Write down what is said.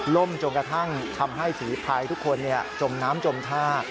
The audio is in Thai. ล่มจนกระทั่งทำให้ฝีภายทุกคนจมน้ำจมท่า